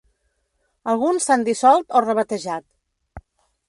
Alguns s'han dissolt o rebatejat.